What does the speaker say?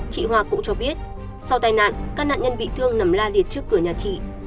chị hoa cũng cho biết sau tai nạn các nạn nhân bị thương nằm la liệt trước cửa nhà chị